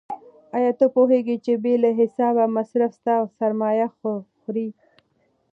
آیا ته پوهېږې چې بې له حسابه مصرف ستا سرمایه خوري؟